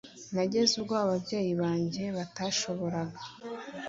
Nageze ubwo ababyeyi banjye batashoboraga